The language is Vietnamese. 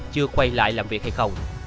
chưa quay lại làm việc hay không